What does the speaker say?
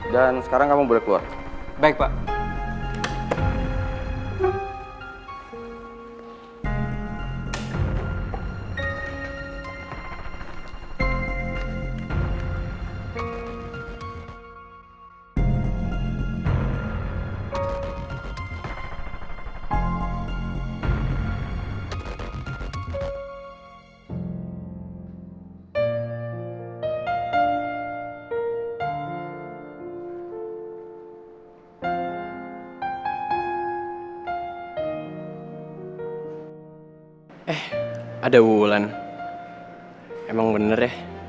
dan sekarang kamu boleh keluar